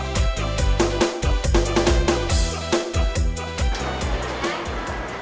สมุติคุณละนิ่มขาลับฟุนอะไรมาชื่อนิ่ม